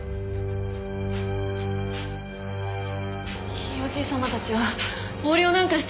ひいおじい様たちは横領なんかしてなかった！